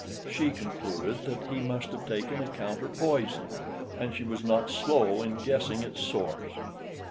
She concluded he must have taken a counter poison, and she was not slow in guessing its source.